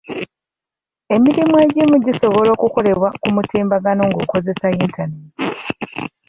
Emirimu egimu gisobola okukolebwa ku mutimbagano ng'okozesa yintaneeti.